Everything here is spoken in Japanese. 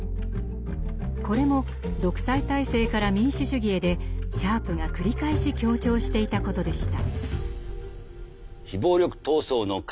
これも「独裁体制から民主主義へ」でシャープが繰り返し強調していたことでした。